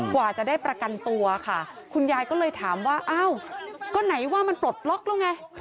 กว่าจะได้ประกันตัวค่ะคุณยายก็เลยถามว่าอ้าวก็ไหนว่ามันปลดล็อกแล้วไง